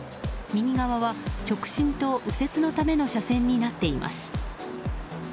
右側は、直進と右折のための車線になっています。